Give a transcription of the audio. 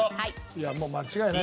いやもう間違いないです。